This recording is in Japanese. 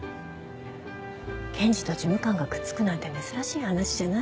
検事と事務官がくっつくなんて珍しい話じゃないわ。